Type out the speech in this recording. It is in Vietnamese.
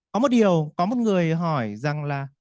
có một điều có một người hỏi rằng là